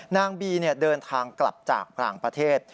นางบีเดินทางกลับจากต่างประเทศ